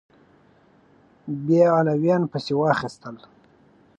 بیا علویان پسې واخیستل